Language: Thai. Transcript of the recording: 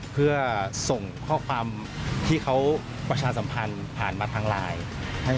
เพื่อส่งข้อความที่เขาประชาสัมพันธ์ผ่านมาทางไลน์